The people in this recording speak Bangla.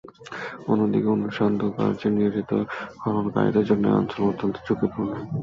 অন্যদিকে অনুসন্ধানকার্যে নিয়োজিত খননকারীদের জন্য এ অঞ্চল অত্যন্ত ঝুকিপূর্ণ।